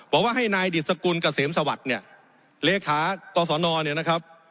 บอกว่าให้นายดิสกุลเกษมสวัสดิ์เนี่ยเลขากศนเนี่ยนะครับ